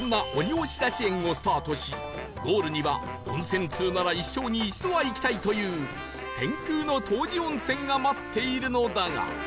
押出し園をスタートしゴールには温泉通なら一生に一度は行きたいという天空の湯治温泉が待っているのだが